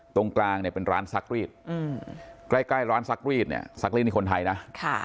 ตรงกลางเนี่ยเป็นร้านซักรีดใกล้ร้านซักรีดเนี่ยซักรีดนี่คนไทยนะ